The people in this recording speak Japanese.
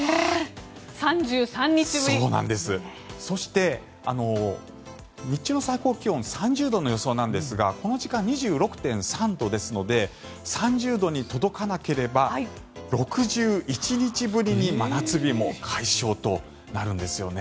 そして、日中の最高気温は３０度の予想なんですがこの時間２６．３度ですので３０度に届かなければ６１日ぶりに真夏日も解消となるんですよね。